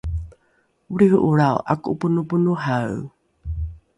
olriho’olrao ’ako’oponoponohae